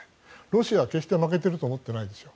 ロシアは決して負けていると思っていないですよ。